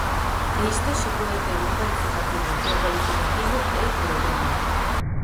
E isto só pode ter un cualificativo, e o cualificativo é o de drama.